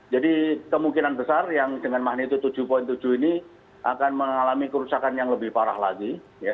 jadi kemungkinan besar yang dengan magnitude tujuh tujuh ini akan mengalami kerusakan yang lebih parah lagi